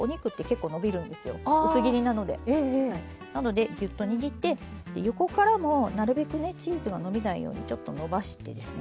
なのでギュッと握ってで横からもなるべくねチーズが伸びないようにちょっと伸ばしてですね